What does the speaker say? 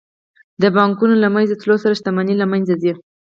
د بانکونو له منځه تلو سره شتمني له منځه ځي